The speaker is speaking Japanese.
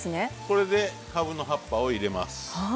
これでかぶの葉っぱを入れます。